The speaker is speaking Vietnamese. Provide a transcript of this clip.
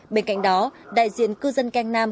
bên cạnh đó đại diện cư dân keng nam